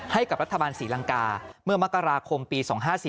ให้กับรัฐบาลศรีลังกาเมื่อมกราคมปี๒๕๔